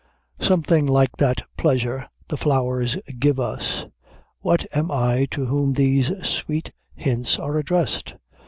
Something like that pleasure the flowers give us: what am I to whom these sweet hints are addressed?